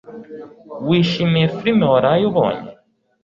Wishimiye firime waraye ubonye